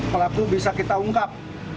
pelaku bisa kita ungkap